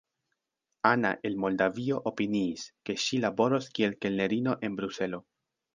Ana el Moldavio opiniis, ke ŝi laboros kiel kelnerino en Bruselo.